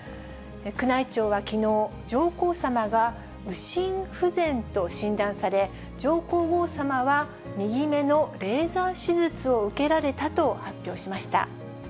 宮内庁はきのう、上皇さまが右心不全と診断され、上皇后さまは、右目のレーザー手術を受けられたと発表しました。